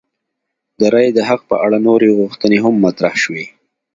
د رایې د حق په اړه نورې غوښتنې هم مطرح شوې.